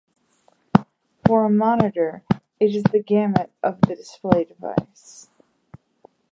For a monitor, it is the gamut of the display device.